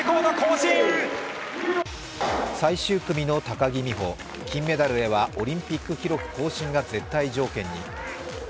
最終組の高木美帆、金メダルへはオリンピック記録更新が絶対条件に。